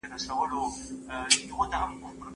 پېچلتیا پکي نسته.